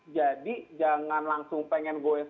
jadi jangan langsung pengen goyes